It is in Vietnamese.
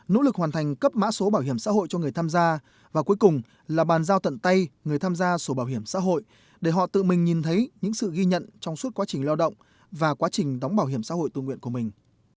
nỗ lực hoàn thành cấp mã số bảo hiểm xã hội cho người tham gia và cuối cùng là bàn giao tận tay người tham gia sổ bảo hiểm xã hội để họ tự mình nhìn thấy những sự ghi nhận trong suốt quá trình lao động và quá trình đóng bảo hiểm xã hội tự nguyện của mình